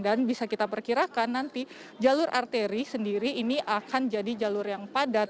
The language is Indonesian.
dan bisa kita perkirakan nanti jalur arteri sendiri ini akan jadi jalur yang padat